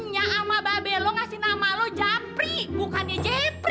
nya sama be lu ngasih nama lu jafri bukannya jepri